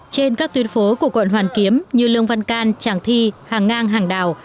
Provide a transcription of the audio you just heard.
trên các tuyến phố của quận hoàn kiếm như lương văn can tràng thi hàng ngang hàng đào